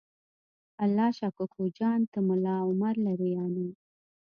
الله شا کوکو جان ته ملا عمر لرې یا نه؟